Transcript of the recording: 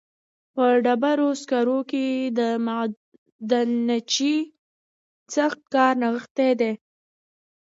په ډبرو سکرو کې د معدنچي سخت کار نغښتی دی